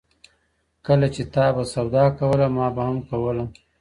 کله چې تا به سودا کوله ما به هم کوله.